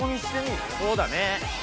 そうだね。